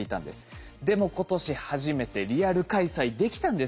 でも今年初めてリアル開催できたんですよ。